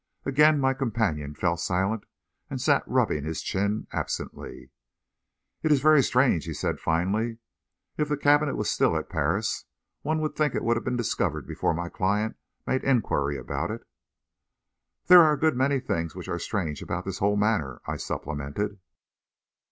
Again my companion fell silent, and sat rubbing his chin absently. "It is very strange," he said, finally. "If the cabinet was still at Paris, one would think it would have been discovered before my client made inquiry about it." "There are a good many things which are strange about this whole matter," I supplemented.